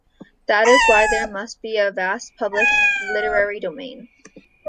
That is why there must be a vast public literary domain.